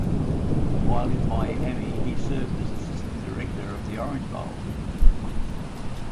While in Miami he served as assistant director of the Orange Bowl.